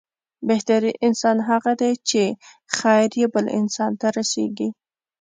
بهترين انسان هغه دی چې، خير يې بل انسان ته رسيږي.